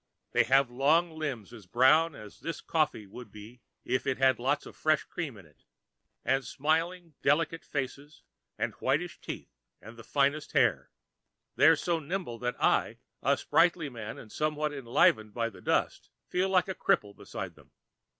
They have long limbs as brown as this coffee would be if it had lots of fresh cream in it, and smiling delicate faces and the whitish teeth and the finest hair. They're so nimble that I a sprightly man and somewhat enlivened by the dust feel like a cripple beside them.